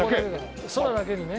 空だけにね。